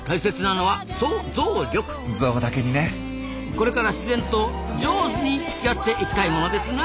これから自然とジョーズにつきあっていきたいものですな。